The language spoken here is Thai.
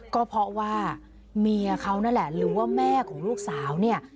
ก็เพราะว่าเมียเขานั่นแหละหรือว่าแม่ของลูกสาวเนี่ย